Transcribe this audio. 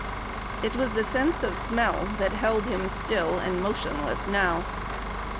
It was the sense of smell that held him still and motionless now.